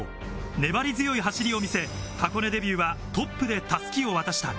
粘り強い走りを見せ、箱根デビューはトップで襷を渡した。